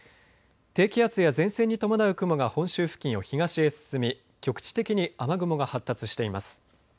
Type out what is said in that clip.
低気圧や前線に伴う雲が本州付近を東へ進み局地的に雨雲が発達しています。